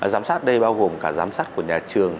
giám sát ở đây bao gồm cả giám sát của nhà trường